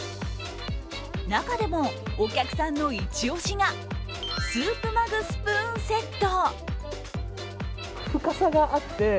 中でもお客さんのイチ押しがスープマグスプーンセット。